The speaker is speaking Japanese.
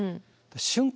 瞬間